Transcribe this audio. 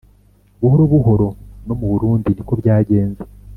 buhoro buhoro. no mu burundi ni ko byagenze; •